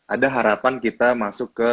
ada harapan kita masuk ke